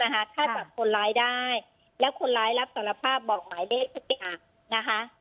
ถ้าจับคนร้ายได้แล้วคนร้ายรับสารภาพบอกหมายเลขทุกอย่างนะคะ